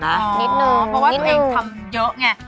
เหรอบอกว่าตัวเองทำเยอะไง